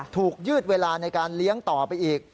ยืดเวลาในการเลี้ยงต่อไปอีก